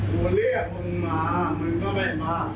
กูเรียกมึงมามึงก็ไม่มา